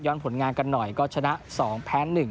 ผลงานกันหน่อยก็ชนะ๒แพ้๑